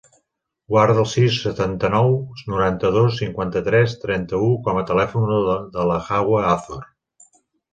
Guarda el sis, setanta-nou, noranta-dos, cinquanta-tres, trenta-u com a telèfon de la Hawa Azor.